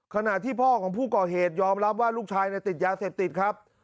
ขณะที่พ่อของผู้ก่อเหตุยอมรับว่าลูกชายติดยาเสพติดครับ